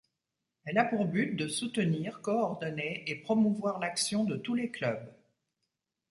Elle a pour but de soutenir, coordonner et promouvoir l’action de tous les clubs.